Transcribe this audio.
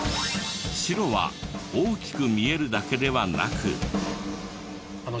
白は大きく見えるだけではなく。